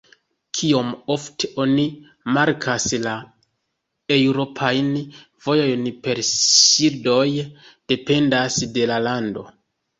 Kiom ofte oni markas la eŭropajn vojojn per ŝildoj, dependas de la lando.